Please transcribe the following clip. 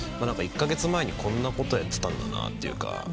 １カ月前にこんなことやってたんだなというか。